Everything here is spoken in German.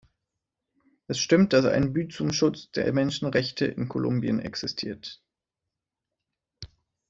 Es stimmt, dass ein Büzum Schutz der Menschenrechte in Kolumbien existiert.